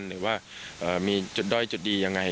หรือว่ามีจุดด้อยจุดดียังไง